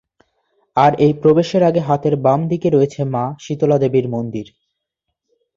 আর এই প্রবেশের আগে হাতের বামদিকে রয়েছে মা শীতলা দেবীর মন্দির।